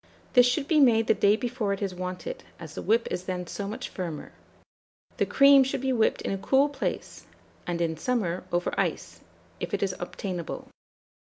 This should be made the day before it is wanted, as the whip is then so much firmer. The cream should be whipped in a cool place, and in summer, over ice, if it is obtainable.